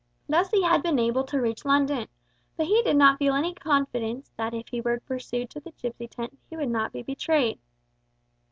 Thus he had been able to reach London; but he did not feel any confidence that if he were pursued to the gipsy tent he would not be betrayed.